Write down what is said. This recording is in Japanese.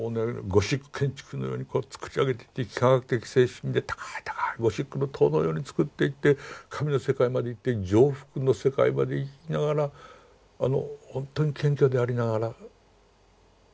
ゴシック建築のように作り上げていって幾何学的精神で高い高いゴシックの塔のように作っていって神の世界まで行って浄福の世界まで行きながらほんとに謙虚でありながら神を褒めたたえてる。